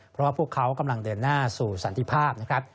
เพราะว่าพวกเขากำลังเดินหน้าสู่สันติภาพนะครับ